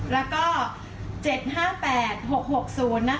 แล้วก็๗๕๘๖๖๐นะคะ